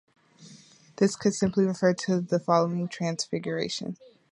This could simply refer to the following Transfiguration.